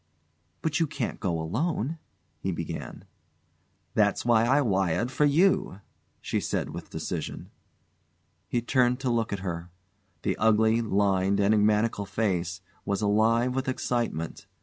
"But you can't go alone " he began. "That's why I wired for you," she said with decision. He turned to look at her. The ugly, lined, enigmatical face was alive with excitement.